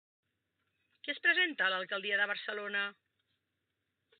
Qui es presenta a l'alcaldia de Barcelona?